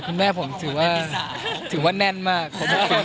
คุณแม่พิสาผมแน่นมาก